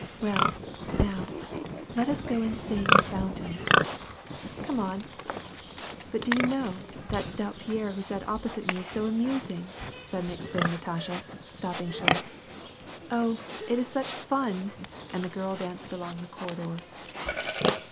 " Well, now, let us go and sing 'The Fountain I '"" Come on !" "But do you know, that stout Pierre who sat opposite me is so amusing !" suddenly exclaimed Natasha, stopping short. " Oh, it is such fun !" and the girl danced along the corridor.